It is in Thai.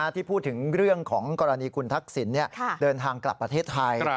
ที่พูดถึงเรื่องของกรณีคุณทักษิณเดินทางกลับประเทศไทย